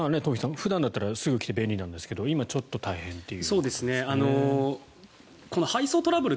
普段だったらすぐに来て便利なんですけど今、ちょっと大変という。